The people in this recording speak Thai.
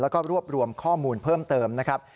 แล้วก็รวบรวมข้อมูลเพิ่มเติมนะครับ